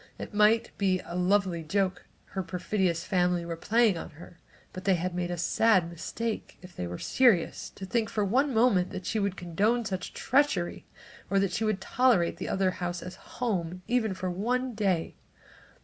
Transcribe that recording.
It might be a lovely joke her perfidious family were playing on her, but they had made a sad mistake, if they were serious, to think for one moment she would condone such treachery or that she would tolerate the other house as home, even for one day.